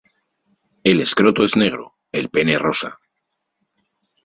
El escroto es negro, el pene rosa.